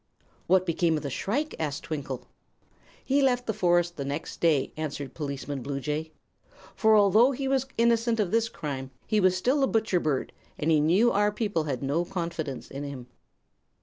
"What became of the shrike?" asked Twinkle. "He left the forest the next day," answered Policeman Bluejay. "For although he was innocent of this crime, he was still a butcher bird, and he knew our people had no confidence in him."